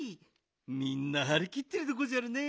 みんなはりきってるでごじゃるね。